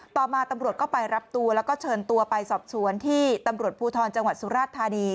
ต่อมาตำรวจก็ไปรับตัวแล้วก็เชิญตัวไปสอบสวนที่ตำรวจภูทรจังหวัดสุราชธานี